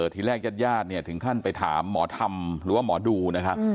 ทีแรกญาติญาติเนี่ยถึงขั้นไปถามหมอธรรมหรือว่าหมอดูนะครับ